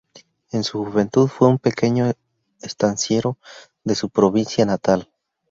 En su juventud fue un pequeño estanciero de su provincia natal.